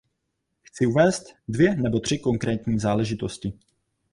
Chci uvést dvě nebo tři konkrétní záležitosti.